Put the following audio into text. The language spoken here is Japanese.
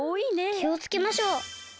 きをつけましょう。